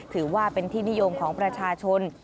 ถือว่าเป็นที่นิยมของประชาชน